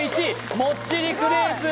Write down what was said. １もっちりクレープ